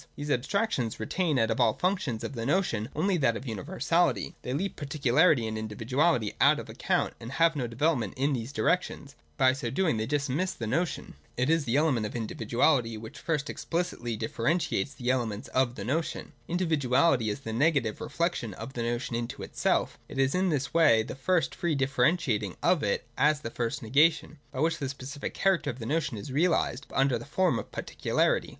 These abstractions re tain out of all the functions of the notion only that of universality; they leave particularity and individuality out of account and have no development in these directions. By so doing they just miss the notion. 296 THE DOCTRINE OF THE NOTION. [165. 165.] It is the element of Individuality which first explicitly differentiates the elements of the notion. In dividuality is the negative reflection of the notion into itself, and it is in that way at first the free differentiating of it as the first negation, by which the specific character of the notion is reahsed, but under the form of particu larity.